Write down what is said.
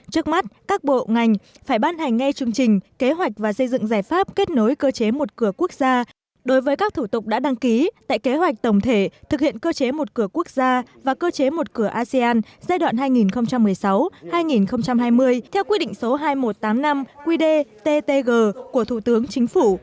trước mắt các bộ ngành phải ban hành ngay chương trình kế hoạch và xây dựng giải pháp kết nối cơ chế một cửa quốc gia đối với các thủ tục đã đăng ký tại kế hoạch tổng thể thực hiện cơ chế một cửa quốc gia và cơ chế một cửa asean giai đoạn hai nghìn một mươi sáu hai nghìn hai mươi theo quy định số hai nghìn một trăm tám mươi năm qdttg của thủ tướng chính phủ